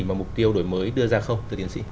mà mục tiêu đổi mới đưa ra không